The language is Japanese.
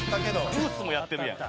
「グースもやってるやん」